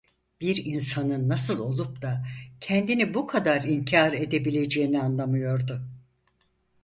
Bir insanın nasıl olup da kendini bu kadar inkâr edebileceğini anlamıyordu.